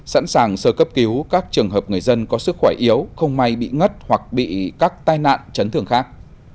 sẵn sàng sơ cấp cứu các trường hợp người dân có sức khỏe yếu không may bị ngất hoặc bị các tai nạn chấn thường khác